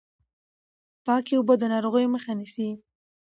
پاکې اوبه د ناروغیو مخه نیسي۔